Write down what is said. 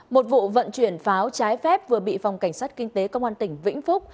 một vụ vận chuyển pháo trái phép vừa bị phòng cảnh sát kinh tế công an tỉnh vĩnh phúc